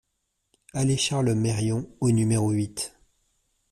Allée Charles Meryon au numéro huit